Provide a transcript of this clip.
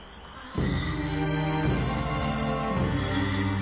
あ。